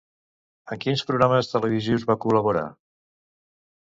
En quins programes televisius va col·laborar?